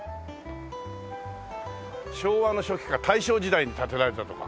昭和の初期か大正時代に建てられたとか。